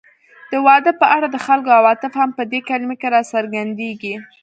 د واده په اړه د خلکو عواطف هم په دې کلمه کې راڅرګندېږي